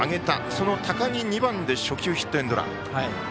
その高木、２番で初球ヒットエンドラン。